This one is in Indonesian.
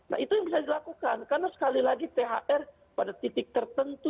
nah itu yang bisa dilakukan karena sekali lagi thr pada titik tertentu